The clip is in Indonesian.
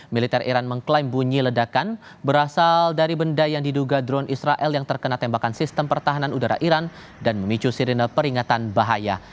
militer iran mengklaim bunyi ledakan berasal dari benda yang diduga drone israel yang terkena tembakan sistem pertahanan udara iran dan memicu sirine peringatan bahaya